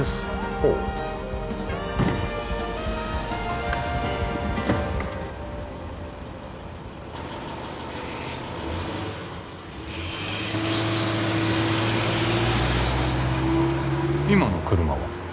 ほう今の車は？